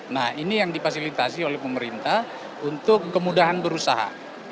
nah ini yang difasilitasi oleh pemerintah untuk kemudahan berusaha